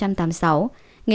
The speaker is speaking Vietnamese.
bệnh tại việt nam